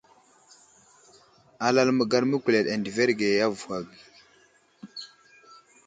Alal məgar məkuleɗ adəverge avuhw age.